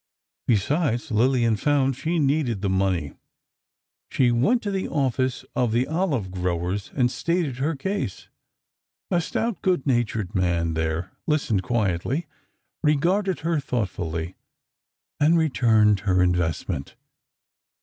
Besides, Lillian found she needed the money. She went to the office of the olive growers, and stated her case. A stout, good natured man there listened quietly, regarded her thoughtfully, and returned her investment.